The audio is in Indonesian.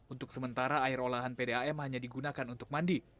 untuk sementara air olahan pdam hanya digunakan untuk mandi